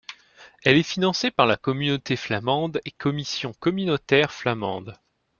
Elle est financée par la communauté flamande et Commission communautaire flamande.